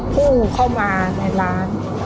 พุ่งเข้ามาในร้าน